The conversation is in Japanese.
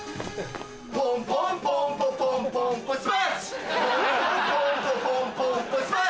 ポンポンポンポポンポンポスマッシュ